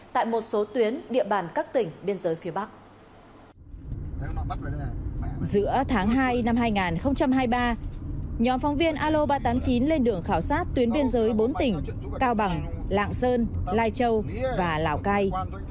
tuyến biên giới bốn tỉnh cao bằng lạng sơn lai châu và lào cai